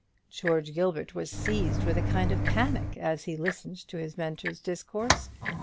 George Gilbert was seized with a kind of panic as he listened to his Mentor's discourse.